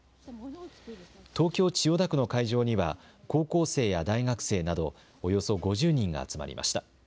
東京・千代田区の会場には高校生や大学生などおよそ５０人が集まりました。